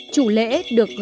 chủ lễ được gọi là con tràng